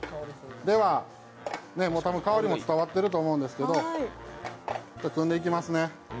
香りも伝わっていると思うんですけど組んでいきますね。